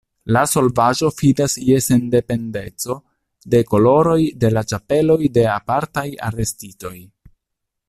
La solvaĵo fidas je sendependeco de koloroj de la ĉapeloj de apartaj arestitoj.